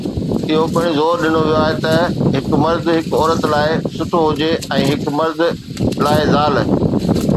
اهو پڻ زور ڏنو ويو آهي ته هڪ مرد هڪ عورت لاء سٺو هجي ۽ هڪ مرد لاء زال.